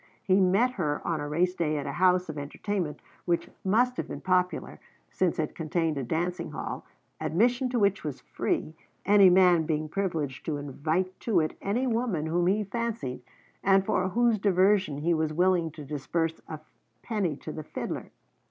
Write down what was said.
He met her on a race day at a house of entertainment which must have been popular, since it contained a dancing hall, admission to which was free, any man being privileged to invite to it any woman whom he fancied and for whose diversion he was willing to disburse a penny to the fiddler.